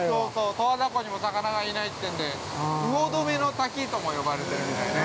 十和田湖にも魚がいないというので魚止めの滝とも呼ばれてるみたいね。